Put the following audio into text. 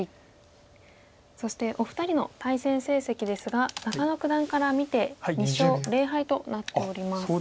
そしてお二人の対戦成績ですが中野九段から見て２勝０敗となっております。